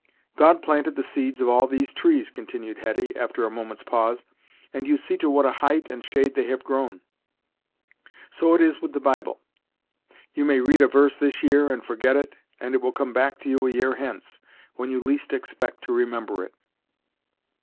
"God planted the seeds of all these trees," continued Hetty, after a moment's pause, "and you see to what a height and shade they have grown! So it is with the Bible. You may read a verse this year, and forget it, and it will come back to you a year hence, when you least expect to remember it."